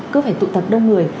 cứ phải tụ tập đông người